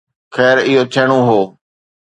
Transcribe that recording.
خير، اهو ٿيڻو هو.